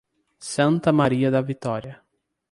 Santa Maria da Vitória